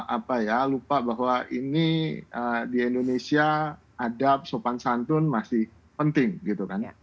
apa ya lupa bahwa ini di indonesia ada sopan santun masih penting gitu kan